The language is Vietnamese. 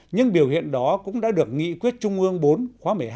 những biểu hiện đó cũng đã được nghị quyết trung ương bốn khóa một mươi hai